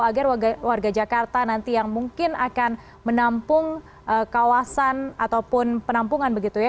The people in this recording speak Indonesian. agar warga jakarta nanti yang mungkin akan menampung kawasan ataupun penampungan begitu ya